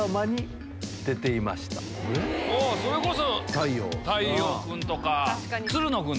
それこそ！